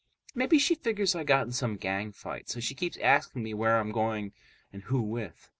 Maybe she figures I got in some gang fight, so she keeps asking me where I'm going and who with.